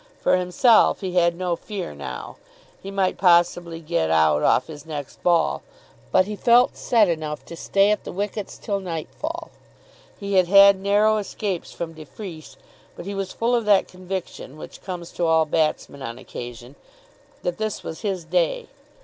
For himself he had no fear now. He might possibly get out off his next ball, but he felt set enough to stay at the wickets till nightfall. He had had narrow escapes from de Freece, but he was full of that conviction, which comes to all batsmen on occasion, that this was his day.